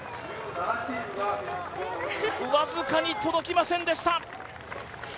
僅かに届きませんでした。